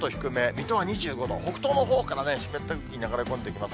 水戸は２５度、北東のほうから、湿った空気、流れ込んできます。